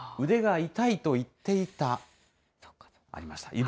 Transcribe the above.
腕が痛いと言っていた、ありました。